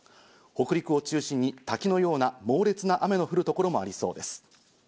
北陸を中心に滝のような猛烈な雨の降る所もありそうです。